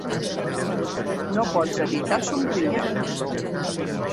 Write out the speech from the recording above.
No pots evitar somriure.